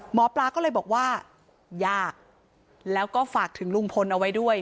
หมอปลาก็เลยบอกว่ายากแล้วก็ฝากถึงลุงพลเอาไว้ด้วย